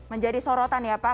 menjadi sorotan ya pak